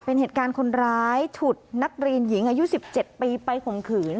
เป็นเหตุการณ์คนร้ายฉุดนักเรียนหญิงอายุ๑๗ปีไปข่มขืน